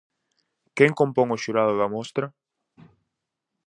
Quen compón o xurado da mostra?